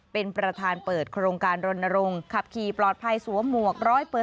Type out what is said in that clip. เป็นประธานเปิดโครงการรณรงค์ขับขี่ปลอดภัยสวมหมวก๑๐๐